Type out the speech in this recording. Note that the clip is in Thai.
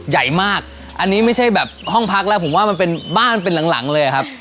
ใหญ่มากอันนี้ไม่ใช่แบบห้องพักแล้วผมว่ามันเป็นบ้านเป็นหลังหลังเลยครับ